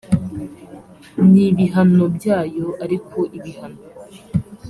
n ibihano byayo ariko ibihano